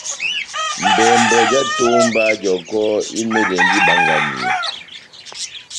Mbɛmbɔ já etómba jɔkɔ́ imɛndɛndi ibanganiya.